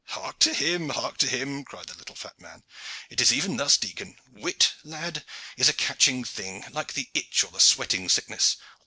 "Hark to him, hark to him!" cried the little fat man. "It is even thus, Dicon! Wit, lad, is a catching thing, like the itch or the sweating sickness.